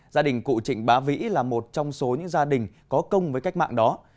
gia đình cụ trịnh bá vĩ là một trong số những gia đình có công với cách mạng đó